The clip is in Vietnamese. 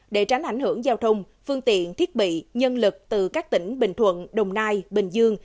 để tránh ảnh hưởng giao thông phương tiện thiết bị nhân lực từ các tỉnh bình thuận đồng nai bình dương